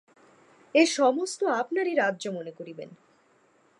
এ সমস্ত আপনারই রাজ্য মনে করিবেন।